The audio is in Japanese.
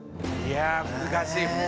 いや難しい。